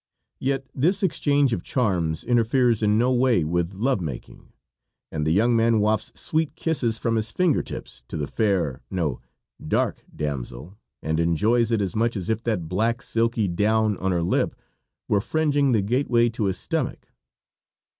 Yet this exchange of charms interferes in no way with love making, and the young man wafts sweet kisses from his finger tips to the fair no, dark damsel, and enjoys it as much as if that black, silky down on her lip were fringing the gateway to his stomach.